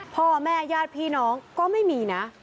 พ่อแม่ญาติพี่น้องก็ไม่มีนะ